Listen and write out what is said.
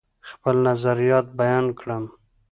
خپل نظریات بیان کړم.